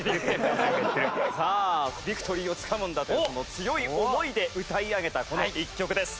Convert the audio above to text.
さあＶＩＣＴＯＲＹをつかむんだというその強い思いで歌い上げたこの一曲です。